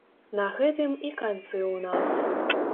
На гэтым і канцы ў нас.